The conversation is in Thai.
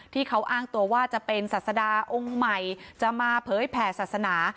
ที่เขาอ้างตัวว่าจะเป็นศาสดาองค์ใหม่จะมาเผยแผ่ศาสนา